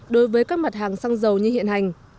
đối với các mặt hàng xăng dầu như hiện hành